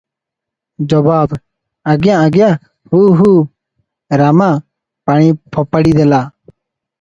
ଜବାବ - ଆଜ୍ଞା ଆଜ୍ଞା, ହୁଁ ହୁଁ, ରାମା ପାଣି ଫୋପାଡି ଦେଲା ।